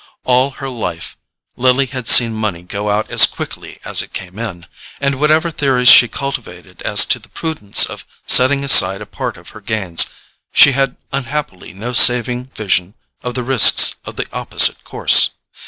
All her life Lily had seen money go out as quickly as it came in, and whatever theories she cultivated as to the prudence of setting aside a part of her gains, she had unhappily no saving vision of the risks of the opposite course.